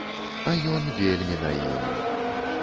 А ён вельмі наіўны.